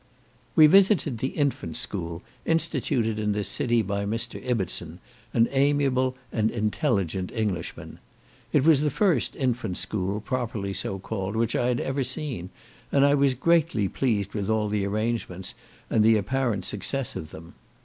We visited the infant school, instituted in this city by Mr. Ibbertson, an amiable and intelligent Englishman. It was the first infant school, properly so called, which I had ever seen, and I was greatly pleased with all the arrangements, and the apparent success of them.